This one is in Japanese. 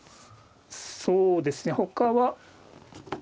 そうですね他は。